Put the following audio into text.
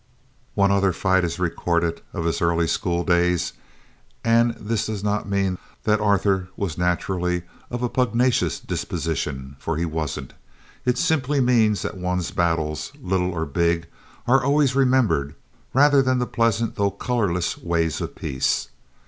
One other fight is recorded of his early schooldays and this does not mean that Arthur was naturally of a pugnacious disposition, for he wasn't. It simply means that one's battles, little or big, are always remembered, rather than the pleasant though colorless ways of peace.